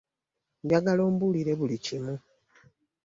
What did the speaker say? Njagala ombulire buli kimu.